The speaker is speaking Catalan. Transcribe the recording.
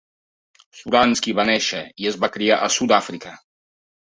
Suransky va néixer i es va criar a Sud-àfrica.